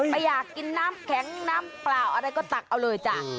ไม่อยากกินน้ำแข็งน้ำเปล่าอะไรก็ตักเอาเลยจ้ะ